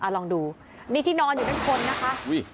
ลองดูนี่ที่นอนอยู่ด้านคนนะคะ